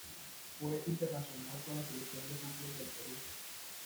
Fue internacional con la seleccion de futbol del Perú.